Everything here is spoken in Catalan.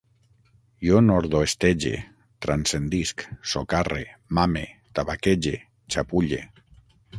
Jo nordoestege, transcendisc, socarre, mame, tabaquege, xapulle